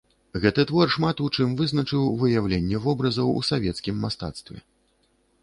Гэты твор шмат у чым вызначыў выяўленне вобразаў ў савецкім мастацтве.